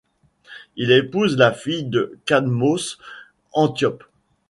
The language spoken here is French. Il épouse la fille de Cadmos, Antiope.